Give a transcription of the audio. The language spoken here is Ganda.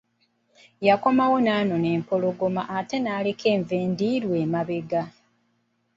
Yakomawo n'anona empologoma ate n'aleka enva endiirwa emabega.